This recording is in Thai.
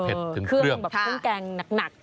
เพ็ดเครื่องแกงหนัก